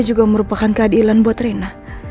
ini juga merupakan keadilan buat rena